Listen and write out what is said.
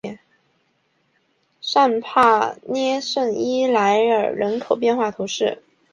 尚帕涅圣伊莱尔人口变化图示